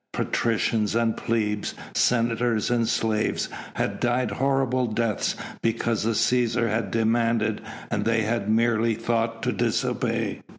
Patricians and plebs, senators and slaves, had died horrible deaths because the Cæsar had demanded and they had merely thought to disobey.